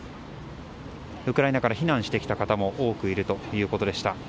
ウクライナから避難してきた方も多くいるということでした。